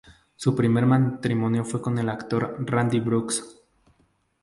Su primer matrimonio fue con el actor Randy Brooks.